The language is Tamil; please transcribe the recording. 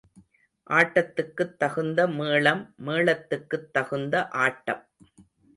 ஆட்டத்துக்குத் தகுந்த மேளம் மேளத்துக்குத் தகுந்த ஆட்டம்.